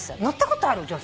乗ったことある？